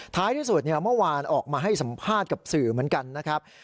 ท้ายที่สุดเมื่อวานออกมาให้สัมภาษณ์กับสื่อเหมือนกันนะครับ